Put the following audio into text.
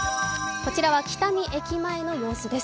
こちらは北見駅前の様子です。